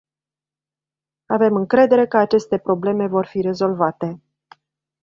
Avem încredere că aceste probleme vor fi rezolvate.